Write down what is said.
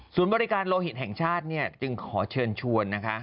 ศูนย์บริการโลหิตแห่งชาติจึงขอเชิญชวน